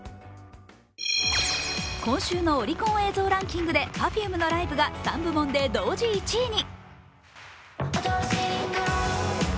今週のオリコン映像ランキングでＰｅｒｆｕｍｅのライブが３部門で同時１位に。